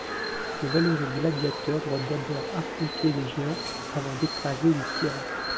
Le valeureux gladiateur doit d'abord affronter des géants avant d'écraser les tyrans...